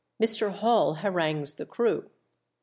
MR. HALL HARANGUES THE CREW.